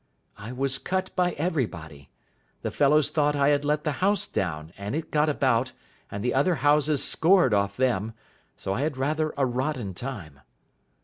"I was cut by everybody. The fellows thought I had let the house down, and it got about, and the other houses scored off them, so I had rather a rotten time."